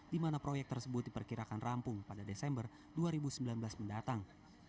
di mana proyek tersebut diperkirakan rampung pada desember dua ribu sembilan belas mendatang